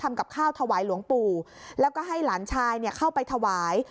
ทำกับข้าวถวายหลวงปู่แล้วก็ให้หลานชายเข้าไปถวาย